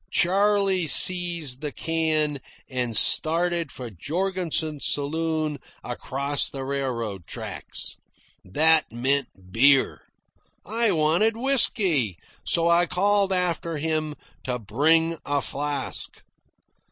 Charley seized the can and started for Jorgensen's saloon across the railroad tracks. That meant beer. I wanted whisky, so I called after him to bring a flask.